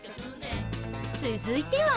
続いては